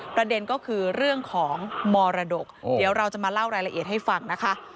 ประเด็นก็คือเรื่องของมรดกเดี๋ยวเราจะมาเล่ารายละเอียดให้ฟังนะคะ